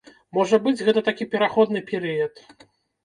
Можа быць, гэта такі пераходны перыяд.